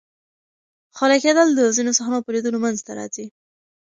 خولې کېدل د ځینو صحنو په لیدلو منځ ته راځي.